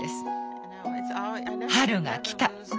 春がきた！